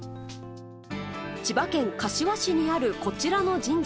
千葉県柏市にあるこちらの神社。